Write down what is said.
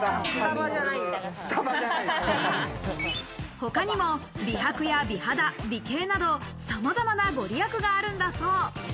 他にも美白や美肌、美形など、さまざまな御利益があるんだそう。